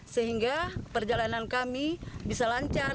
sehingga perjalanan kami bisa lancar